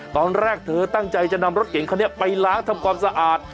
ตอนแรกเธอตั้งใจจะนำรถเก่งคันนี้ไปล้างทำความสะอาด